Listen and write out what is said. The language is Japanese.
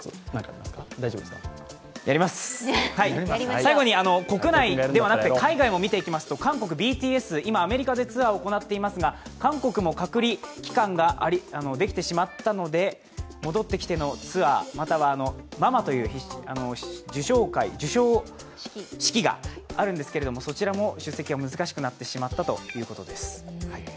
最後に国内ではなく海外も見ていきますと韓国、ＢＴＳ、今、アメリカでツアーをやっていますが、韓国も隔離期間ができてしまったので、戻ってきてのツアー、またはＭＡＭＡという授賞式があるんですけどそちらも出席が難しくなってしまったということです。